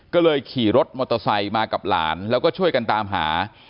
ก็เลยขี่รถมอเตอร์ไซค์มากับหลานแล้วก็ช่วยกันตามหา